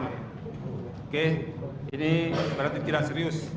oke ini berarti tidak serius